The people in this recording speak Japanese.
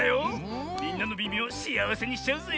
みんなのみみをしあわせにしちゃうぜ。